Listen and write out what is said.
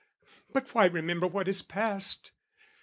but why remember what is past?